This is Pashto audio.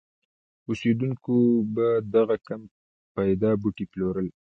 اوسېدونکو به دغه کم پیدا بوټي پلورل.